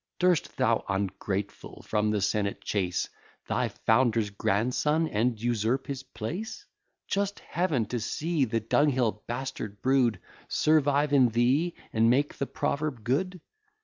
Durst thou, ungrateful, from the senate chase Thy founder's grandson, and usurp his place? Just Heaven! to see the dunghill bastard brood Survive in thee, and make the proverb good?